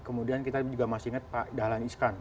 kemudian kita juga masih ingat pak dahlan iskan